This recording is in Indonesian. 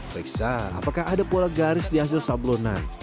periksa apakah ada pola garis di hasil sablonan